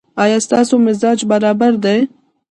ایا ستاسو مزاج برابر دی؟